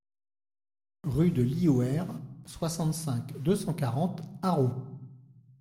Rue de Lyouères, soixante-cinq, deux cent quarante Arreau